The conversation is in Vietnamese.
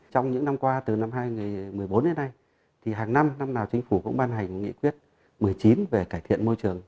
trong những năm qua từ năm hai nghìn một mươi bốn đến nay thì hàng năm năm nào chính phủ cũng ban hành nghị quyết một mươi chín về cải thiện môi trường